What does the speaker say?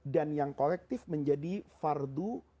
dan yang kolektif menjadi fardu'kifaya